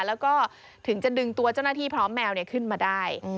แล้วก็ถึงจะดึงตัวเจ้าหน้าที่พร้อมแมวขึ้นมาได้